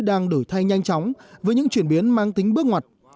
đang đổi thay nhanh chóng với những chuyển biến mang tính bước ngoặt